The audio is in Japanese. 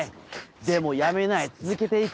でもやめない続けていくなぜ？